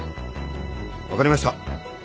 分かりました。